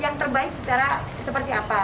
yang terbaik secara seperti apa